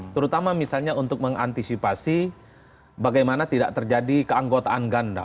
terutama misalnya untuk mengantisipasi bagaimana tidak terjadi keanggotaan ganda